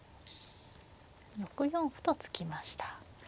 ６四歩と突きました。